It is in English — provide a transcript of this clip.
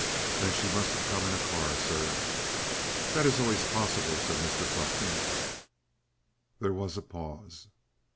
"Then she must have come in a car, sir." "That is always possible," said Mr. Flexen. There was a pause.